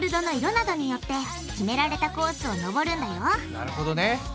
なるほどね。